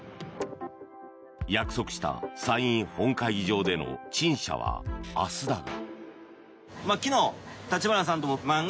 約束した参院本会議場での陳謝は明日だが。